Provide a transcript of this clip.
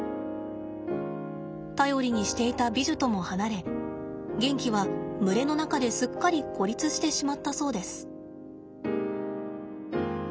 頼りにしていたビジュとも離れゲンキは群れの中ですっかり孤立してしまったそうです。